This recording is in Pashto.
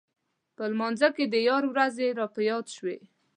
په لمانځه کې د یار ورځې راپه یاد شوې.